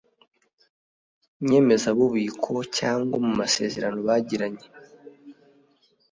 nyemezabubiko cyangwa mu masezerano bagiranye.